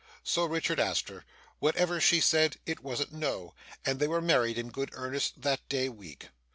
So Richard asked her; whatever she said, it wasn't No; and they were married in good earnest that day week.